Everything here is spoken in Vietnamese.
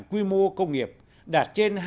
quy mô công nghiệp đạt trên